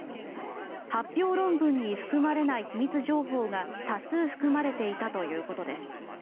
発表論文に含まれない秘密情報が多数含まれていたということです。